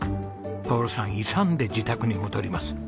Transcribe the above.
徹さん勇んで自宅に戻ります。